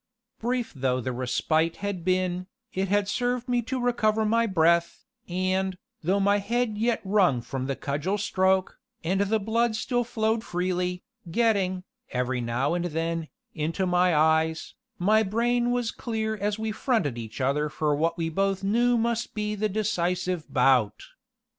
Brief though the respite had been, it had served me to recover my breath, and, though my head yet rung from the cudgel stroke, and the blood still flowed freely, getting, every now and then, into my eyes, my brain was clear as we fronted each other for what we both knew must be the decisive bout.